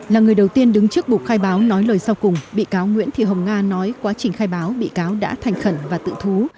là người đầu tiên đứng trước bục khai báo nói lời sau cùng bị cáo nguyễn thị hồng nga nói quá trình khai báo bị cáo đã thành khẩn và tự thú